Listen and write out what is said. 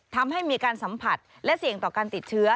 ทำให้มีการสัมผัสและเสี่ยงต่อการติดเชื้อ